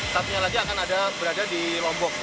satunya lagi akan ada berada di lombok